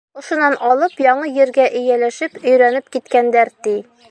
Ошонан алып яңы ергә эйәләшеп, өйрәнеп киткәндәр, ти.